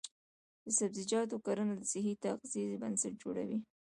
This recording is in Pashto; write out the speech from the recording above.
د سبزیجاتو کرنه د صحي تغذیې بنسټ جوړوي.